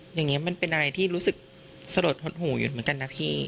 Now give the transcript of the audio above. อย่างนี้มันเป็นอะไรที่รู้สึกสะลดหดหูอยู่เหมือนกันนะพี่